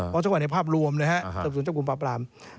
เพราะส่วนในภาพรวมนะครับส่วนเจ้ากลุ่มปรับราม